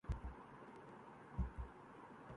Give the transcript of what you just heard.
عمران کی سیاست سامنے ہے۔